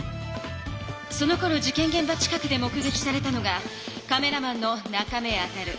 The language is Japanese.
そのころ事けんげん場近くで目げきされたのがカメラマンの中目中。